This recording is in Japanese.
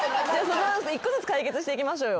１個ずつ解決していきましょうよ